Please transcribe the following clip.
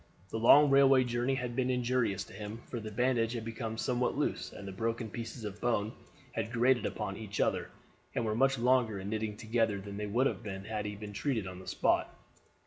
The long railway journey had been injurious to him, for the bandage had become somewhat loose and the broken pieces of bone had grated upon each other, and were much longer in knitting together than they would have been had he been treated on the spot.